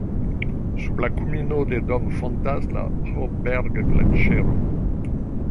Sub la kulmino de Dom fontas la Hohberg-Glaĉero.